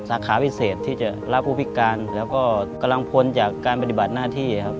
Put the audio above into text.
สาขาพิเศษที่จะรับผู้พิการแล้วก็กำลังพลจากการปฏิบัติหน้าที่ครับ